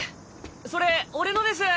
それ俺のです。